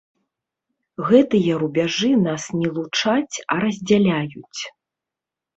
Гэтыя рубяжы нас не лучаць, а раздзяляюць.